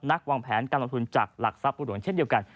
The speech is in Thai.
วางแผนการลงทุนจากหลักทรัพย์บุหลวงเช่นเดียวกัน